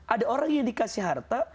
ada orang yang dikasih harta